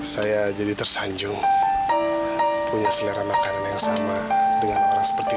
saya jadi tersanjung punya selera makanan yang sama dengan orang seperti